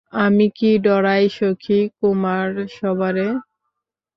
আমি কি ডরাই সখী কুমারসভারে?